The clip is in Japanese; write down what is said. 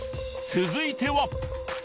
続いては。